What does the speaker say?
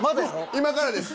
今からです。